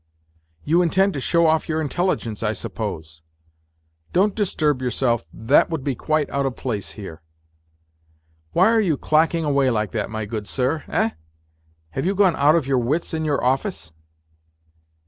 ;' You intend to show off your intelligence, I suppose ?"" Don't disturb yourself, that would be quite out of place here." " Why are you clacking away b'ke that, my good sir, eh ? Have you gone out of your wits in your office